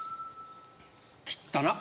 きったな。